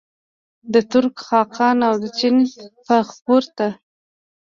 د ترک خاقان او د چین فغفور ته.